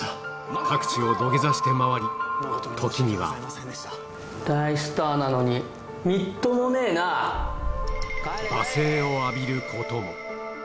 各地を土下座して回り、大スターなのに、みっともね罵声を浴びることも。